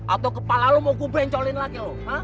atau kepala lo mau gue bencolin lagi